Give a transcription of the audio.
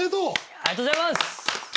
ありがとうございます！